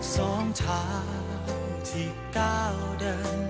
สองทางที่ก้าวเดิน